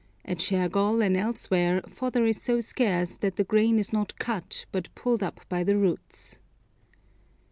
At Shergol and elsewhere fodder is so scarce that the grain is not cut, but pulled up by the roots.